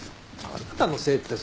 「あなたのせい」って。